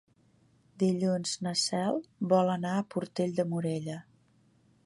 Dilluns na Cel vol anar a Portell de Morella.